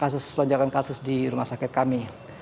selanjakan kasus di rumah sakit kami